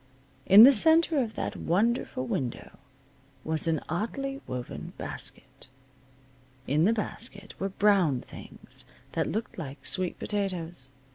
In the center of that wonderful window was an oddly woven basket. In the basket were brown things that looked like sweet potatoes.